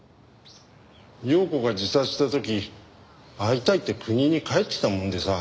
庸子が自殺した時会いたいって郷里に帰って来たもんでさ。